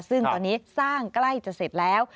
ซึ่งตอนนี้สร้างใกล้จะเสร็จแล้ว